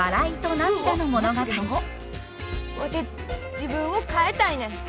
ワテ自分を変えたいねん。